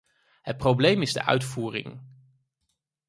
Het probleem is de uitvoering.